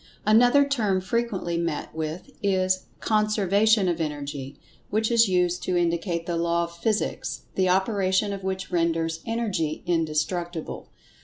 Another term frequently met with, is "Conservation of Energy," which is used to indicate that Law of Physics the operation of which renders Energy indestructible.